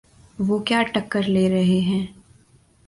وہ کیا ٹکر لے رہے ہیں؟